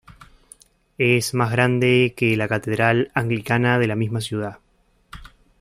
Es más grande que la catedral anglicana de la misma ciudad.